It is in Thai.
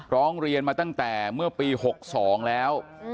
ร้องเรียนมาตั้งแต่เมื่อปี๖๒แล้ว